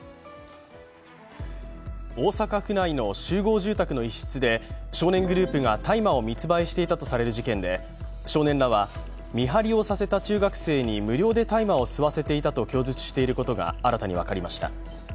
大阪府内の集合住宅の一室で少年グループが大麻を密売されていたという事件で少年らは見張りをさせた中学生に無料で大麻を吸わせていたと供述していることが新たに分かりました。